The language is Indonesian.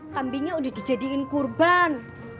kambingnya udah dijadiin kurban